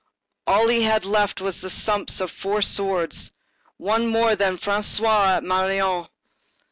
All he had left was the stumps of four swords; one more than François I. at Marignan.